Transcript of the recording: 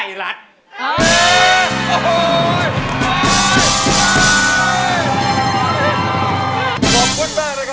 อายุ๒๔ปีวันนี้บุ๋มนะคะ